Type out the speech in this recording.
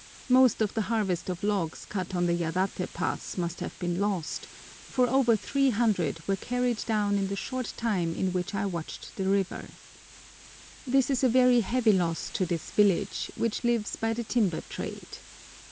Most of the harvest of logs cut on the Yadate Pass must have been lost, for over 300 were carried down in the short time in which I watched the river. This is a very heavy loss to this village, which lives by the timber trade.